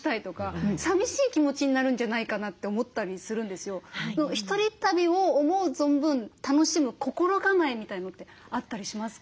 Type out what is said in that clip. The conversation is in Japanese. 楽しければ楽しいほど１人旅を思う存分楽しむ心構えみたいのってあったりしますか？